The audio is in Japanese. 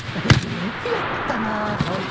でもよくやったなって。